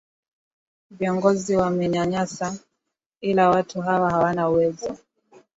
viongozi wamewanyanyasa ila watu hawa hawana uwezo